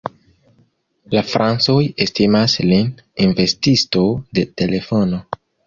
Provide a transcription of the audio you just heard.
La francoj estimas lin inventisto de telefono.